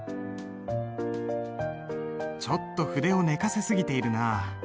ちょっと筆を寝かせ過ぎているな。